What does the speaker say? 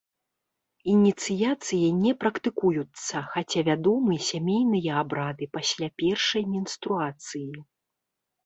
Ініцыяцыі не практыкуюцца, хаця вядомы сямейныя абрады пасля першай менструацыі.